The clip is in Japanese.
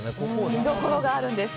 見どころがあるんです。